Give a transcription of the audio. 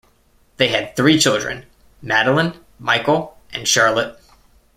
They had three children: Madelin, Michael, and Charlotte.